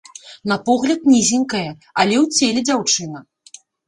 На погляд нізенькая, але ў целе дзяўчына.